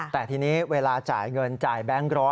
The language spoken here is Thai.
แต่ทีนี้เวลาจ่ายเงินจ่ายแบงค์๑๐๐